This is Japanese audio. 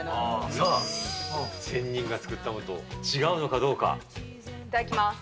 さあ、仙人が作ったのと違ういただきます。